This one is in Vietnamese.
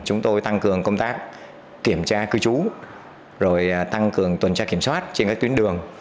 chúng tôi tăng cường công tác kiểm tra cư trú rồi tăng cường tuần tra kiểm soát trên các tuyến đường